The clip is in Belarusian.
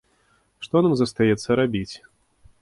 Што нам застаецца рабіць?